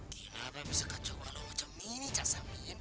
kenapa kakak saya bersalim